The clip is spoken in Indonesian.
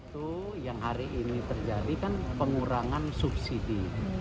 itu yang hari ini terjadi kan pengurangan subsidi